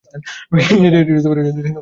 এটি কানপুর বিভাগের অন্তর্গত একটি জেলা।